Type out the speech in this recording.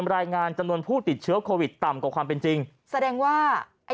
รายงานจำนวนผู้ติดเชื้อโควิดต่ำกว่าความเป็นจริงแสดงว่าไอ้